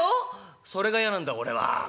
「それがやなんだ俺は」。